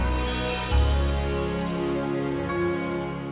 berita terkini dari amerika laing